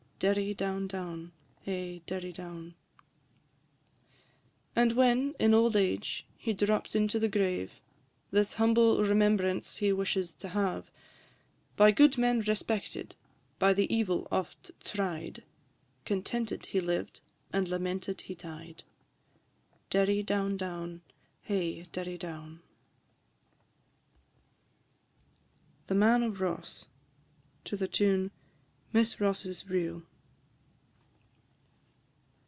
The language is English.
Derry down, &c. XI. And when, in old age, he drops into the grave, This humble remembrance he wishes to have: "By good men respected, by the evil oft tried, Contented he lived, and lamented he died!" Derry down, &c. THE MAN OF ROSS. TUNE _"Miss Ross's Reel."